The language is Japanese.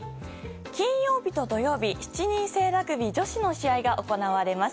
金曜日と土曜日７人制ラグビー女子の試合が行われます。